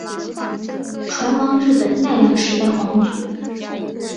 船王日本奈良时代皇族。